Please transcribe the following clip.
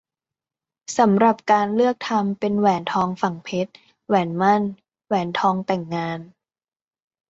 สำหรับการเลือกทำเป็นแหวนทองฝังเพชร แหวนหมั้น แหวนทองแต่งงาน